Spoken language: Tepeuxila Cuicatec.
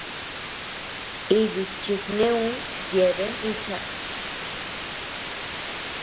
Iyu chi sneu yeabean icha.